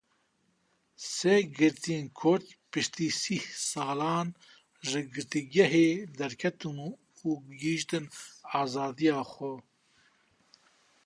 Sê girtiyên Kurd piştî sih salan ji girtîgehê derketin û gihiştin azadiya xwe.